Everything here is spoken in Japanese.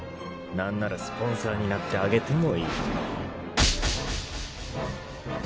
何ならスポンサーになってあげてもいい。